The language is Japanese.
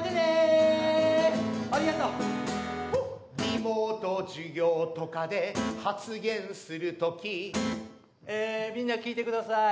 「リモート授業とかで発言する時」えみんな聞いてください。